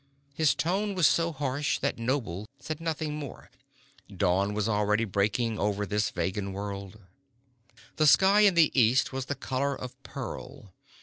His tone was so harsh that Noble said nothing more. Dawn was already breaking over this Vegan world. The sky in the east was the color of pearl.